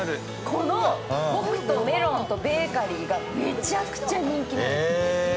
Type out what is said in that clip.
この、ぼくとメロンパンとベーカリーがめちゃくちゃ人気なんです。